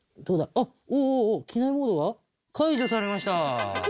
あっおお機内モードが解除されました！